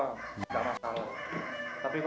tapi mas ari masih ngotot mempersatukan mereka kenapa